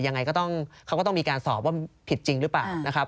ยังไงเขาก็ต้องมีการสอบว่าผิดจริงหรือเปล่า